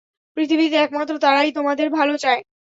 পৃথিবীতে একমাত্র তারাই তোমাদের ভালো চায়!